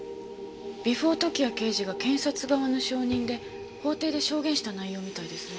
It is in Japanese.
ビフォー時矢刑事が検察側の証人で法廷で証言した内容みたいですね。